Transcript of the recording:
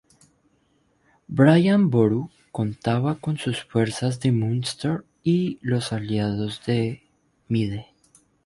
Brian Boru contaba con sus fuerzas de Munster y los aliados de Mide.